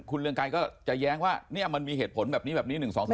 คุณเรืองกายก็จะแย้งว่ามันมีเหตุผลแบบนี้แบบนี้หนึ่งสองสาม